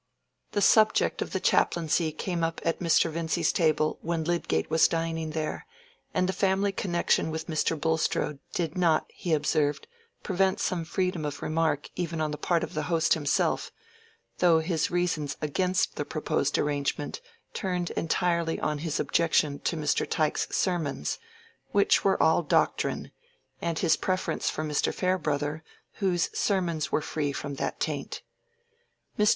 The subject of the chaplaincy came up at Mr. Vincy's table when Lydgate was dining there, and the family connection with Mr. Bulstrode did not, he observed, prevent some freedom of remark even on the part of the host himself, though his reasons against the proposed arrangement turned entirely on his objection to Mr. Tyke's sermons, which were all doctrine, and his preference for Mr. Farebrother, whose sermons were free from that taint. Mr.